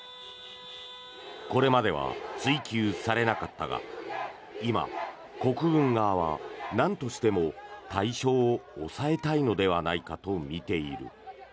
これまでは追及されなかったが今、国軍側はなんとしても対象を押さえたいのではないかとみている。